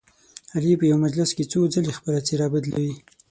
علي په یوه مجلس کې څو ځلې خپله څهره بدلوي.